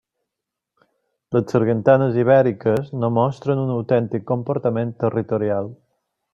Les sargantanes ibèriques no mostren un autèntic comportament territorial.